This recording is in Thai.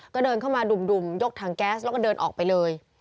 ก็เดินเข้ามาดุ่มยกถังแก๊สแล้วก็เดินออกไปเลย